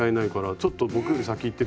ちょっと僕より先いってるじゃない。